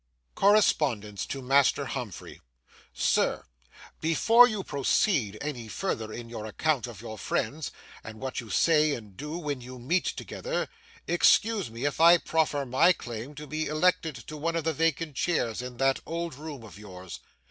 CORRESPONDENCE TO MASTER HUMPHREY 'SIR,—Before you proceed any further in your account of your friends and what you say and do when you meet together, excuse me if I proffer my claim to be elected to one of the vacant chairs in that old room of yours.